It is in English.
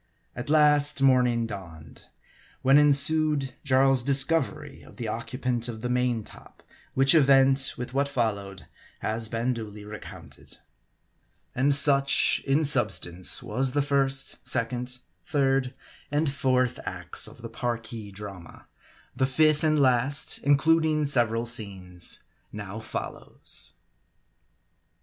At last, morning dawned ; when ensued Jarl's discovery as the occupant of the main top ; which event, with what followed, has been duly recounted. And such, in substance, was the first, second, third and fourth acts of the Parki drama. The fifth and last, includ ing several scenes, now follows.